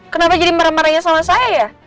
kenapa jadi marah marahnya sama saya ya